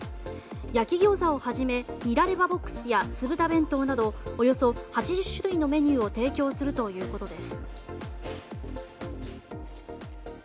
焼き餃子をはじめニラレバＢＯＸや酢豚弁当などおよそ８０種類のメニューを提供するということです。